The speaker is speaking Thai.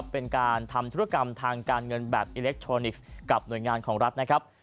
เป็นการทำธุรกรรมทางการเงินแบบอิเล็กทรอนิกส์กับหน่วยงานของรัฐนะครับ